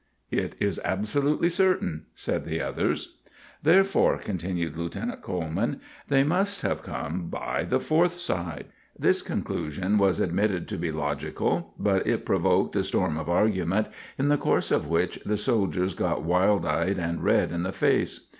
"It is absolutely certain," said the others. "Therefore," continued Lieutenant Coleman, "they must have come by the fourth side." This conclusion was admitted to be logical; but it provoked a storm of argument, in the course of which the soldiers got wild eyed and red in the face.